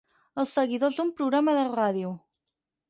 Els seguidors d'un programa de ràdio.